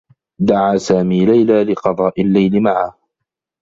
دعى سامي ليلى لقضاء اللّيل معه.